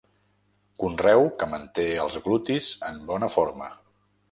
Conreu que manté els glutis en bona forma.